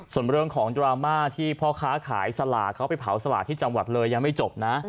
ส่วนเรื่องของดราม่าที่พ่อค้าขายสลากเขาไปเผาสลากที่จังหวัดเลยยังไม่จบนะ